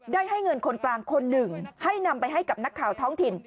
ให้เงินคนกลางคนหนึ่งให้นำไปให้กับนักข่าวท้องถิ่น